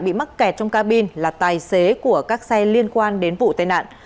bị mắc kẹt trong cabin là tài xế của các xe liên quan đến vụ tai nạn